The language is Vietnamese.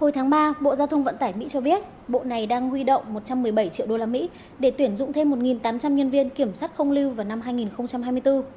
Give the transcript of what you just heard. hồi tháng ba bộ giao thông vận tải mỹ cho biết bộ này đang huy động một trăm một mươi bảy triệu usd để tuyển dụng thêm một tám trăm linh nhân viên kiểm soát không lưu vào năm hai nghìn hai mươi bốn